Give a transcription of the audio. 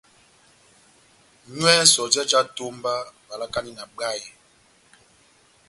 Nywɛ sɔjɛ já etomba, valakani na bwayɛ.